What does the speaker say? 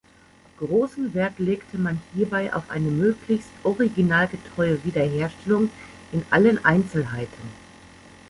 Großen Wert legte man hierbei auf eine möglichst originalgetreue Wiederherstellung in allen Einzelheiten.